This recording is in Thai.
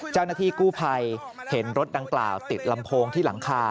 เจ้าหน้าที่กู้ภัยเห็นรถดังกล่าวติดลำโพงที่หลังคา